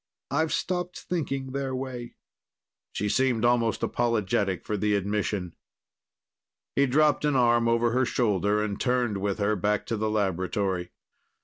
I've stopped thinking their way." She seemed almost apologetic for the admission. He dropped an arm over her shoulder and turned with her back to the laboratory.